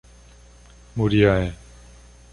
Muriaé